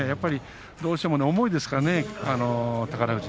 どうしても重いですからね宝富士。